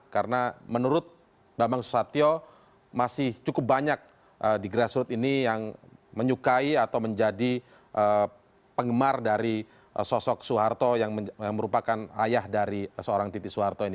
karena menurut mbak bang susatyo masih cukup banyak di grassroot ini yang menyukai atau menjadi penggemar dari sosok soeharto yang merupakan ayah dari seorang diti soeharto ini